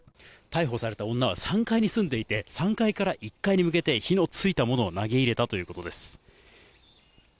逮捕された女は、３階に住んでいて、３階から１階に向けて火のついたものを投げ入れたということです。